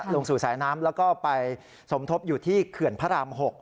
ลงสู่สายน้ำแล้วก็ไปสมทบอยู่ที่เขื่อนพระราม๖